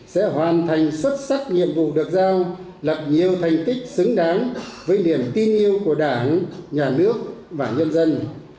sẽ hoàn thành xuất sắc nhiệm vụ được giao lập nhiều thành tích xứng đáng với niềm tin yêu của đảng nhà nước và nhân dân